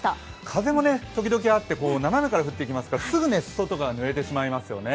風も時々あって、斜めから降ってきますからすぐ裾とかぬれてしまいますよね。